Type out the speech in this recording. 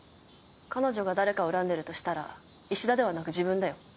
彼女が誰かを恨んでるとしたら衣氏田ではなく自分だよ。